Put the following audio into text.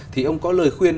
thì ông có lời khuyên